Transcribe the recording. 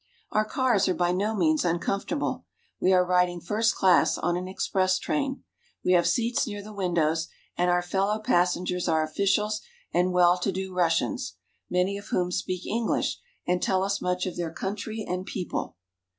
Our cars are by no means uncomfortable. We are riding first class on an express train. We have seats near the windows, and our fellow passengers are officials and well to do Russians, many of whom speak English and tell us much of their country and people.